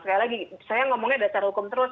sekali lagi saya ngomongnya dasar hukum terus